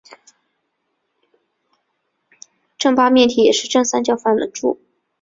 正八面体也是正三角反棱柱。